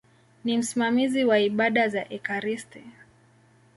Ni msimamizi wa ibada za ekaristi.